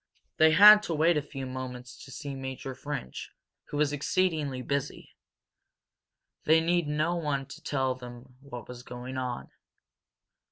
They had to wait a few moments to see Major French, who was exceedingly busy. They need no one to tell them what was going on.